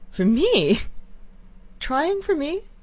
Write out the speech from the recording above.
For me?... Trying for me!..."